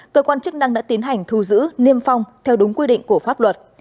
cơ quan chức năng đã tiến hành thu giữ niêm phong theo đúng quy định của pháp luật